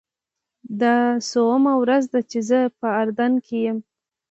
دا څوومه ورځ ده چې زه په اردن کې یم.